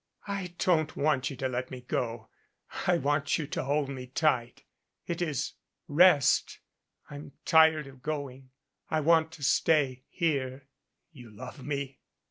"I don't want you to let me go. I want you to hold me tight. It is rest. I'm tired of going. I want to stay here." "You love me?"